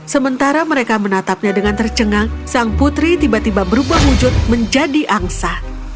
sementara mereka menatapnya dengan tercengang sang putri tiba tiba berubah wujud menjadi angsa